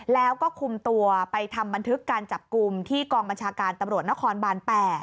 แล้วก็คุมตัวไปทำบันทึกการจับกลุ่มที่กองบัญชาการตำรวจนครบาน๘